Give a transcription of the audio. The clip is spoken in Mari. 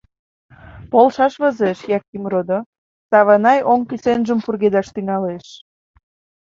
— Полшаш возеш, Яким родо, — Саванай оҥ кӱсенжым пургедаш тӱҥалеш.